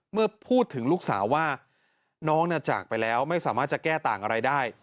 เมื่อพูดถึงลูกสาวว่าน้องจากไปแล้วไม่สามารถจะแก้ต่างอะไรได้